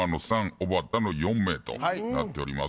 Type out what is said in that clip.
おばたの４名となっております。